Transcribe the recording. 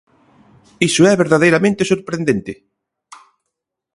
¡Iso é verdadeiramente sorprendente!